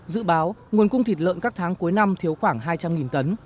dự báo nguồn cung thịt lợn các tháng cuối năm thiếu khoảng hai trăm linh tấn